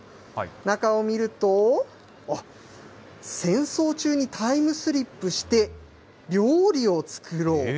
中を見ると、戦争中にタイムスリップして、料理を作ろう。